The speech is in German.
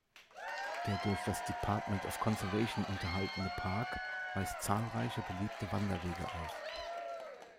Der durch das Department of Conservation unterhaltene Park weist zahlreiche beliebte Wanderwege auf.